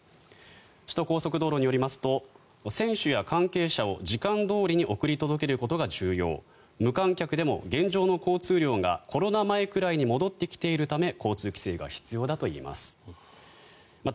首都高速道路によりますと選手や関係者を時間どおりに送り届けることが重要無観客でも現状の交通量がコロナ前くらいに戻ってきているため交通規制が必要だといいます。